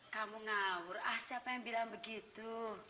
kamu ngawur ah siapa yang bilang begitu